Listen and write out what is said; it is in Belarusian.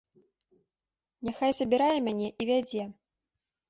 Няхай забірае мяне і вядзе.